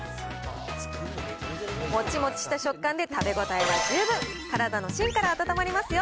もちもちした食感で食べ応えは十分、体のしんから温まりますよ。